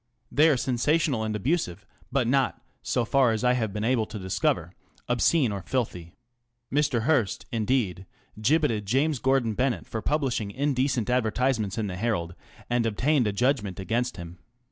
They are sensational and abusive, but not, so far as I have been able to dis cover, obscene or filthy. Mr. Hearst, indeed, gibbeted James Gordon Bennett for publishing indecent advertisements in the Herald \ and obtained a judgment against him.